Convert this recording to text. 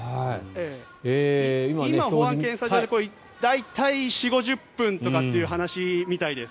今、保安検査場で大体４０５０分という話みたいです。